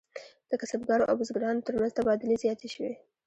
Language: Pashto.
د کسبګرو او بزګرانو ترمنځ تبادلې زیاتې شوې.